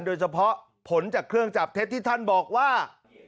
โดยเฉพาะผลจากเครื่องจับเท็จที่ท่านบอกว่า